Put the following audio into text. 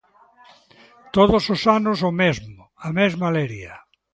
Todos os anos o mesmo, a mesma leria.